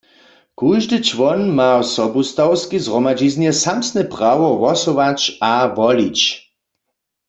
Kóždy čłon ma w sobustawskej zhromadźiznje samsne prawo hłosować a wolić.